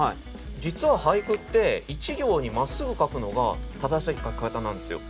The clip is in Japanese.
実は俳句って一行にまっすぐ書くのが正しい書き方なんですよ。